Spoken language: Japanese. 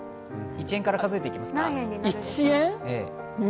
１円から数えていきますか？